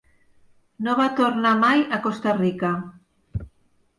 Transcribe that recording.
No va tornar mai a Costa Rica.